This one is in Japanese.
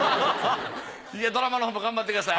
いやドラマのほうも頑張ってください。